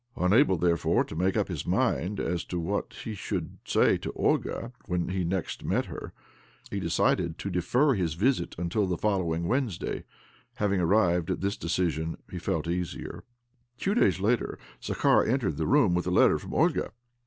ЦпаЬЦ therefore, to tnake up his mind as to what he should say, to Olga when he next met her, he decided to defer his visit until the followingi Wednes day. 'Having, (arrived at this decision, he felt easier. Two days later, Zakhar entered the room with a letter from Olga.